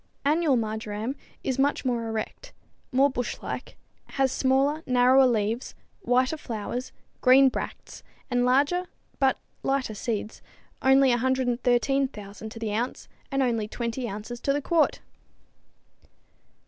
Annual marjoram is much more erect, more bush like, has smaller, narrower leaves, whiter flowers, green bracts and larger, but lighter seeds only 113,000 to the ounce and only 20 ounces to the quart!